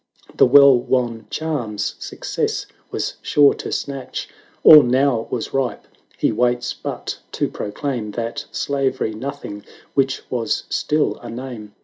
The well won charms success was sure to snatch. All now was ripe, he waits but to pro claim That slavery nothing which was still a name.